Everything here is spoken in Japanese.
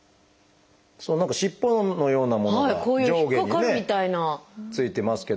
何か尻尾のようなものが上下にね付いてますけど。